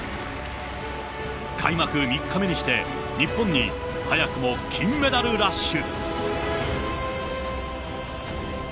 開幕３日目にして、日本に早くも金メダルラッシュ。